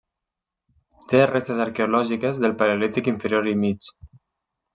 Té restes arqueològiques del paleolític Inferior i Mig.